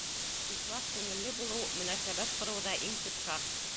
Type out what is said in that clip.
Ихлас күңелле булыу — мөнәсәбәт ҡороуҙа иң төп шарт.